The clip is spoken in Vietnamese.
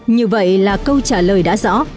như vậy là câu trả lời đã rõ